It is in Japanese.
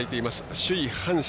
首位、阪神。